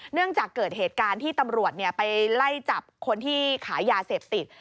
เนื่องจากเกิดเหตุการณ์ที่ตำรวจไปไล่จับคนที่ขายยาเสพติด